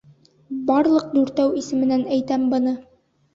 Барлыҡ Дүртәү исеменән әйтәм быны.